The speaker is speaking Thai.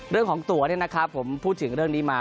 เรื่องของตั๋วผมพูดถึงเรื่องนี้มา